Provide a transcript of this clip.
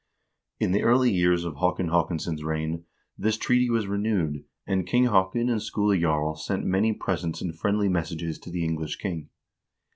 In the early years of Haakon Haakonsson's reign this treaty was renewed, and King Haakon and Skule Jarl sent many presents and friendly messages to the English king.